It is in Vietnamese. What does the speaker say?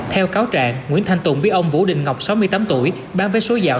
theo cáo trạng nguyễn thanh tùng biết ông vũ đình ngọc sáu mươi tám tuổi bán vé số dạo